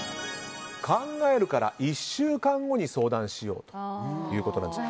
考えるから１週間後に相談しようということです。